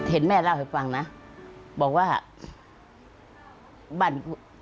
เห็นแม่เล่าให้ฟังนะบอกว่าบ้าน